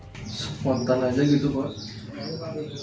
spontan aja gitu kok